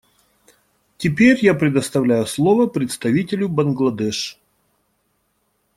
Теперь я предоставляю слово представителю Бангладеш.